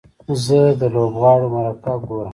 زه د لوبغاړو مرکه ګورم.